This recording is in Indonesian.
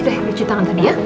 dicu tangan tadi ya